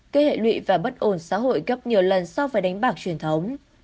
cây hệ lụy và bất ổn xã hội gấp nhiều lần so với đánh bạc truyền thống